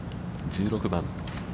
１６番。